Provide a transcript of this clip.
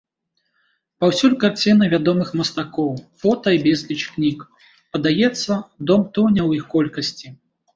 Паўсюль карціны вядомых мастакоў, фота і безліч кніг, падаецца, дом тоне ў іх колькасці.